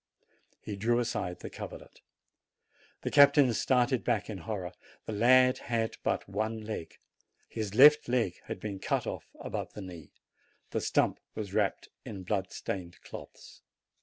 He drew aside the coverlet. The captain started back in horror. The lad had but one leg. His left leg had been cut off above the knee; the stump was wrapped in blood stained cloths.